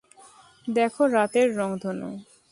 দেখো, রাতের রংধনু।